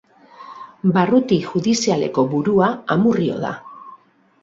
Barruti judizialeko burua Amurrio da.